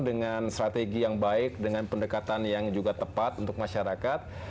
dengan strategi yang baik dengan pendekatan yang juga tepat untuk masyarakat